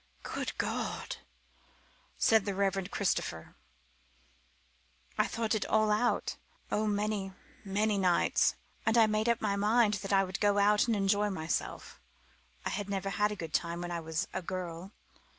"Good God!" said the Reverend Christopher. "I thought it all out oh, many, many nights! and I made up my mind that I would go out and enjoy myself. I never had a good time when I was a girl.